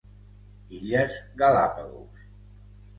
Illes Galápagos.